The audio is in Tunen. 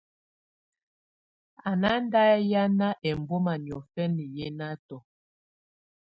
Á ná ndá hiána ɛmbɔma niɔ̀fɛna yɛnatɔ.